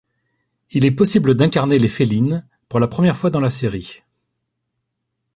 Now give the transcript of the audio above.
Il est possible d'incarner les Felynes pour la première fois dans la série.